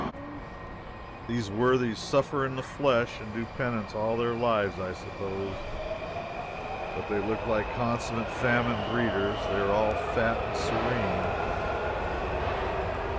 These worthies suffer in the flesh and do penance all their lives, I suppose, but they look like consummate famine breeders. They are all fat and serene.